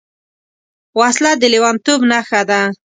وسله د لېونتوب نښه ده